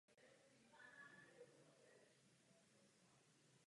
Tato opatření již byla přijata.